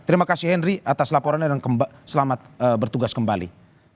terima kasih henry atas laporannya dan selamat bertugas kembali